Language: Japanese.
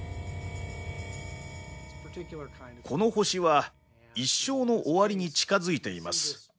この星は一生の終わりに近づいています。